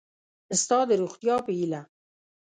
ستا د روغتیا په هیله